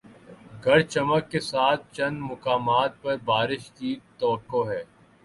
گرج چمک کے ساتھ چند مقامات پر بارش کی توقع ہے